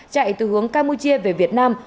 chạy từ hướng campuchia về việt nam